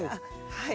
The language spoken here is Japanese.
はい。